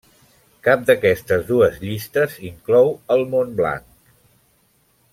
Cap d'aquestes dues llistes inclou el mont Blanc.